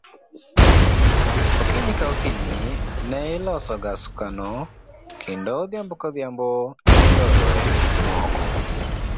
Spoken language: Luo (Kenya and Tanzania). Okinyi ka okinyi ne ilosoga sukano, kendo odhiambo ka odhiambo ne iloroe gik moko.